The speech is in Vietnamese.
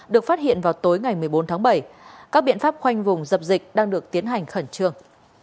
được phát hiện vào tối ngày một mươi bốn tháng bảy các biện pháp khoanh vùng dập dịch đang được tiến hành khẩn trương